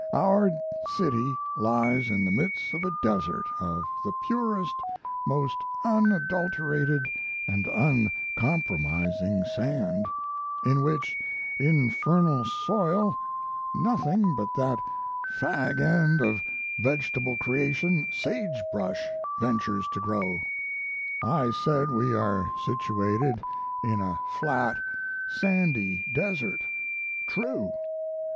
Our city lies in the midst of a desert of the purest, most unadulterated and uncompromising sand, in which infernal soil nothing but that fag end of vegetable creation, "sage brush," ventures to grow.... I said we are situated in a flat, sandy desert true.